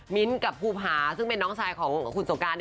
มิ้นท์กับผู้ผาร์ซึ่งเป็นน้องชายของคุณส่งการ